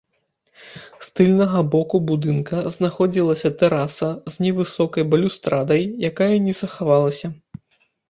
З тыльнага боку будынка знаходзілася тэраса с невысокай балюстрадай, якая не захавалася.